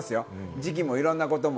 時期もいろんなことも。